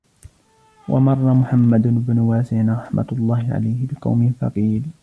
وَمَرَّ مُحَمَّدُ بْنُ وَاسِعٍ رَحْمَةُ اللَّهِ عَلَيْهِ بِقَوْمٍ فَقِيلَ